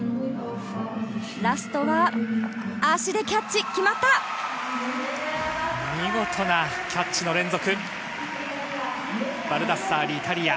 ラストは見事なキャッチの連続。